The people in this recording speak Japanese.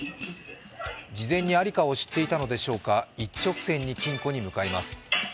事前に在りかを知っていたのでしょうか、一直線に金庫に向かいます